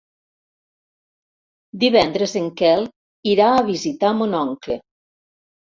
Divendres en Quel irà a visitar mon oncle.